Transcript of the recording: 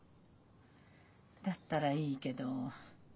だったらいいけど。